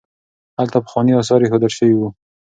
هلته پخواني اثار ایښودل شوي وو.